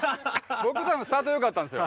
僕たぶんスタートはよかったんですよ。